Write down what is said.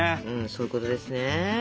そういうことですね。